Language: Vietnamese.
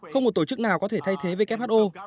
không một tổ chức nào có thể thay thế who